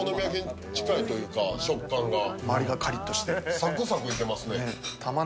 サクサクいけますね。